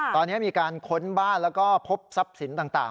ตอนนี้มีการค้นบ้านแล้วก็พบทรัพย์สินต่าง